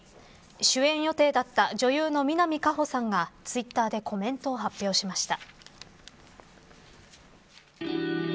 主演予定だった女優の南果歩さんがツイッターでコメントを発表しました。